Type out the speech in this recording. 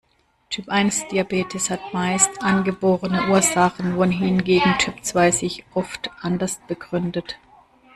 Typ-eins-Diabetes hat meist angeborene Ursachen, wohingegen Typ zwei sich oft anders begründet.